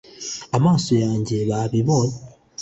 amaso yanjye babibonye